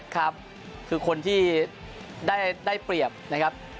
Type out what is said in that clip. ครับคือคนที่ได้เปรียบนะครับ